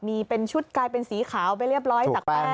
มีเป็นชุดกลายเป็นสีขาวไปเรียบร้อยจากแป้ง